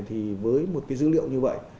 thì với một dữ liệu như vậy